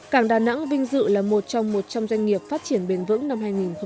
cảng đà nẵng vinh dự là một trong một trong doanh nghiệp phát triển bền vững năm hai nghìn một mươi bảy